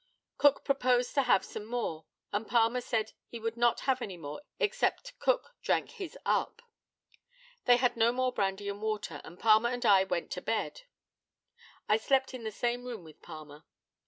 Cook proposed to have some more, and Palmer said he would not have any more except Cook drank his up. They had no more brandy and water, and Palmer and I went to bed. I slept in the same room with Palmer.